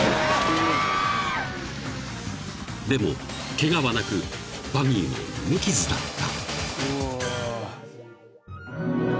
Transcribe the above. ［でもケガはなくバギーも無傷だった］